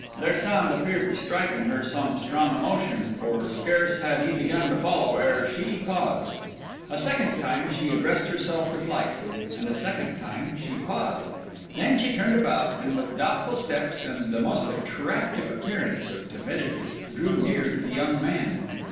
Their sound appeared to strike in her some strong emotion; for scarce had he begun to follow ere she paused. A second time she addressed herself to flight; and a second time she paused. Then she turned about, and with doubtful steps and the most attractive appearance of timidity, drew near to the young man.